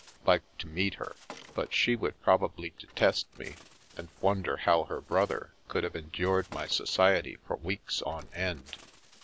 " Like to meet her. But she would probably de test me, and wonder how her brother could have endured my society for weeks on end."